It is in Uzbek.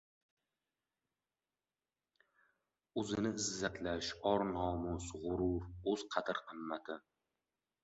O‘zini izzatlash, or-nomus, g‘urur, o‘z qadr-qimmati